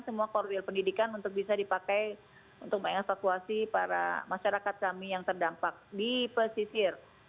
semua koril pendidikan untuk bisa dipakai untuk mengevakuasi para masyarakat kami yang terdampak di pesisir